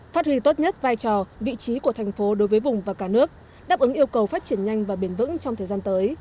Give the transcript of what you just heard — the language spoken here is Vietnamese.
phát huy tốt nhất vai trò vị trí của thành phố đối với vùng và cả nước đáp ứng yêu cầu phát triển nhanh và bền vững trong thời gian tới